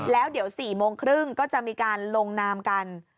แล้วเดี๋ยว๔โมงครึ่งก็จะมีการลงนามกัน